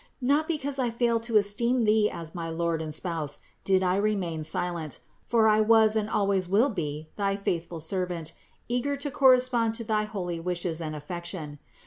Not be cause I failed to esteem thee as my lord and spouse did 2 23 334 CITY OF GOD I remain silent: for I was and always will be thy faith ful servant, eager to correspond to thy holy wishes and affection.